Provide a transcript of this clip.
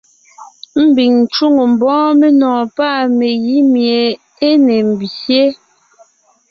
Ḿbiŋ ńcwoŋo ḿbɔ́ɔn menɔ̀ɔn pâ megǐ míe é ne ḿbyé.